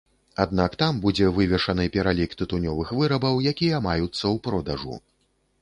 Аднак там будзе вывешаны пералік тытунёвых вырабаў, якія маюцца ў продажу.